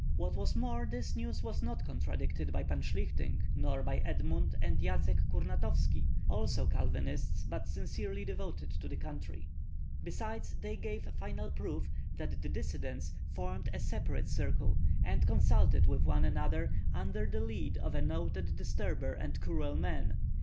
What was more, this news was not contradicted by Pan Shlihtyng nor by Edmund and Yatsck Kurnatovski, also Calvinists, but sincerely devoted to the country. Besides they gave final proof that the dissidents formed a separate circle and consulted with one another under the lead of a noted disturber and cruel man.